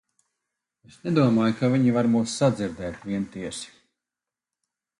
Es nedomāju, ka viņi var mūs sadzirdēt, vientiesi!